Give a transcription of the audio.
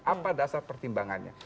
apa dasar pertimbangannya